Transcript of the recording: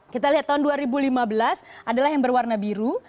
kita lihat tahun dua ribu lima belas adalah yang berwarna biru